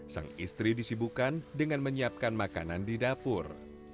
sang istri disibukan dengan menyiapkan makanan di dapur